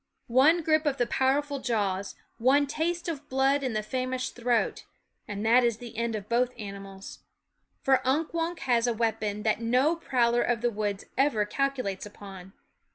One grip of the powerful jaws, one taste of blood in the famished throat and that is the end of both animals. For Unk Wunk has a weapon that no prowler of the woods ever calculates upon.